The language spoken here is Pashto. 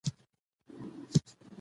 د ډېرو نوو طبيعتي صفتونو